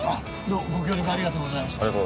どうもご協力ありがとうございました。